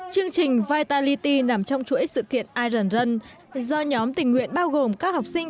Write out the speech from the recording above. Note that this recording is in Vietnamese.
chương trình vitality nằm trong chuỗi sự kiện iron run do nhóm tình nguyện bao gồm các học sinh